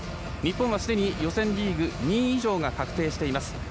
日本はすでに予選リーグ２位以上が確定しています。